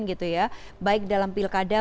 gitu ya baik dalam pilkada